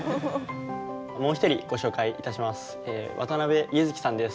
もう一人ご紹介いたします。